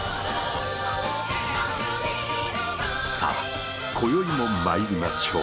さあ今宵も参りましょう。